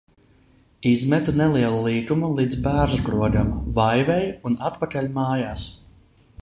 Izmetu nelielu līkumu līdz Bērzukrogam, Vaivei un atpakaļ mājās.